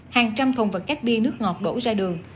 hàng trăm thùng vật cách biên nước ngọt đổ ra đường